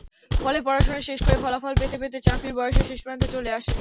ফলে পড়াশোনা শেষ করে ফলাফল পেতে পেতে চাকরির বয়সের শেষপ্রান্তে চলে আসেন।